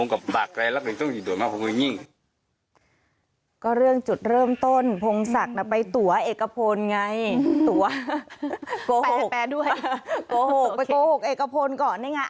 โกหกไปโกหกเอกพลก่อน